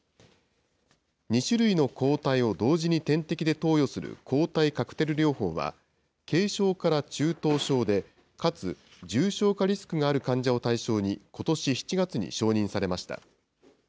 ２種類の抗体を同時に点滴で投与する抗体カクテル療法は、軽症から中等症で、かつ重症化リスクがある患者を対象に、ことし７月に承認されました。